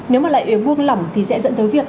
nếu mà lại buông lỏng thì sẽ dẫn tới việc